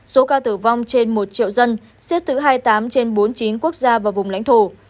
số ca tử vong trên một triệu dân xếp thứ hai mươi tám trên bốn mươi chín quốc gia và vùng lãnh thổ